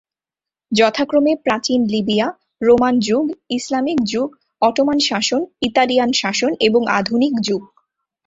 যথাক্রমে প্রাচীন Libya, Roman যুগ, ইসলামিক যুগ, অটোমান শাসন, ইতালিয়ান শাসন এবং আধুনিক যুগ।